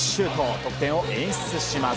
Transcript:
得点を演出します。